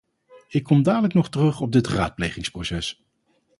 Ik kom dadelijk nog terug op dit raadplegingsproces.